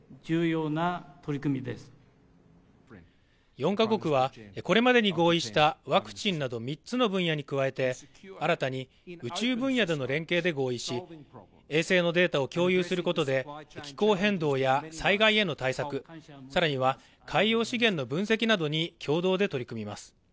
４カ国はこれまでに合意したワクチンなど３つの分野に加えて、新たに宇宙分野での連携で合意し、衛星のデータを共有することで気候変動や災害への対策、更には海洋資源の分析などに共同で取り組みます。